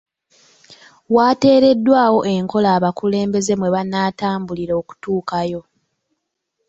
Wateereddwawo enkola abakulembeze mwe banaatambulira okutuukayo.